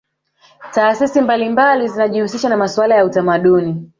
taasisi mbalimbali zinajihusisha na masuala ya utamadini